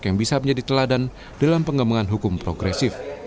yang bisa menjadi teladan dalam pengembangan hukum progresif